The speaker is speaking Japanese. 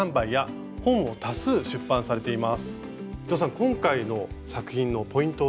今回の作品のポイントは？